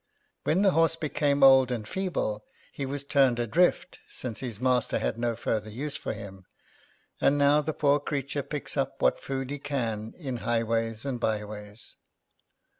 When the horse became old and feeble, he was turned adrift, since his master had no further use for him; and now the poor creature picks up what food he can in highways and byways."